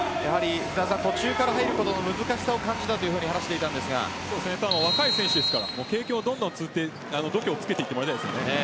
途中から入ることの難しさを感じたただ、若い選手ですから経験をつけて、どんどん度胸をつけてもらいたいです。